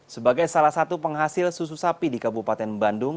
sebagai salah satu penghasil susu sapi di kabupaten bandung